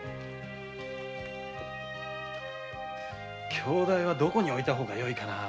鏡台はどこに置いた方がよいかなぁ。